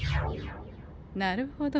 なるほど。